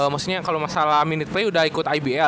maksudnya kalau masalah minute play udah ikut ibl